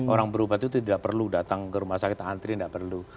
orang berobat itu tidak perlu datang ke rumah sakit antri tidak perlu